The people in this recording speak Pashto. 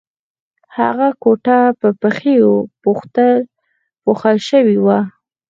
هغه کوټه په ښیښو پوښل شوې وه